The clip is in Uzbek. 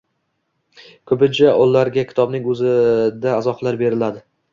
Koʻpincha ularga kitobning oʻzida izohlar beriladi